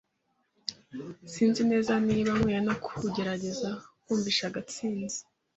Sinzi neza niba nkwiye no kugerageza kumvisha Gatsinzi.